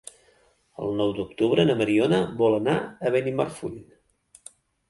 El nou d'octubre na Mariona vol anar a Benimarfull.